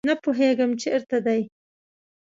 نه پوهیږم چیرته دي